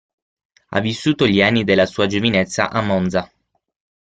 Ha vissuto gli anni della sua giovinezza a Monza.